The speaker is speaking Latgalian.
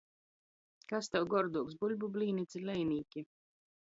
Kas tev gorduoks – buļbu blīni ci lejnīki?